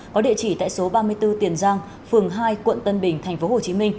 có địa chỉ tại số ba mươi bốn tiền giang phường hai quận tân bình tp hcm